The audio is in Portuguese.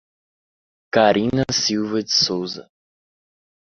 Carina Silva de Souza